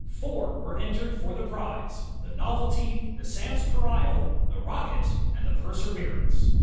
Four were entered for the prize: the Novelty, the Sanspareil, the Rocket, and the Perseverance.